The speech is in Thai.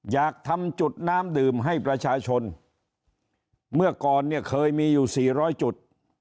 อยากทำจุดน้ำดื่มให้ประชาชนเมื่อก่อนเนี่ยเคยมีอยู่สี่ร้อยจุด